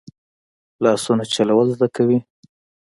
لاسونه چلول زده کوي